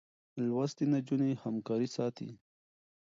لوستې نجونې همکاري ساتي.